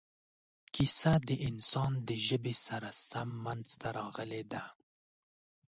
کیسه د انسان د ژبې سره سم منځته راغلې ده.